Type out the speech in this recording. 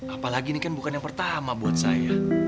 apalagi ini kan bukan yang pertama buat saya